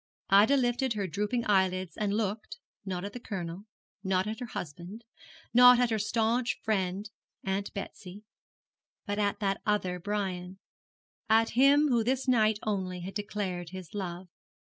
Ida lifted her drooping eyelids and looked, not at the Colonel, not at her husband, not at her staunch friend Aunt Betsy, but at that other Brian at him who this night only had declared his love.